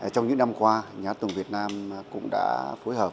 trong những năm qua nhà hát tuồng việt nam cũng đã phối hợp